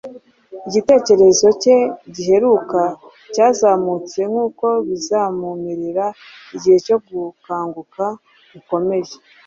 igitekerezo cye giheruka cyarazamutse nk’uko bizamumerera igihe cyo gukanguka gukomeye